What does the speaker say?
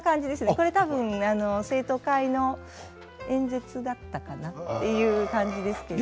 これ多分生徒会の演説だったかなっていう感じですけど。